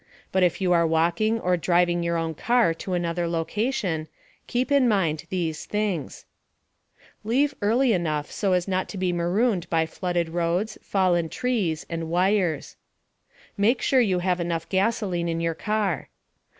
But if you are walking or driving your own car to another location, keep in mind these things: Leave early enough so as not to be marooned by flooded roads, fallen trees, and wires. Make sure you have enough gasoline in your car.